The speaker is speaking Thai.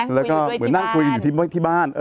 เหมือนนั่งคุยอยู่ที่บ้าน